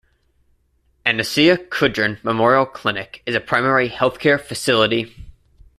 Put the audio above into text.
Anesia Kudrin Memorial Clinic is a Primary Health Care facility.